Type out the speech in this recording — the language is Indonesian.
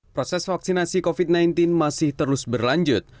proses vaksinasi covid sembilan belas masih terus berlanjut